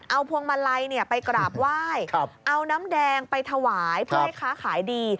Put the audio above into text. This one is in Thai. เอาพวงมาลัยไปกราบไหว้เอาน้ำแดงไปถวายเพื่อให้ค้าขายดี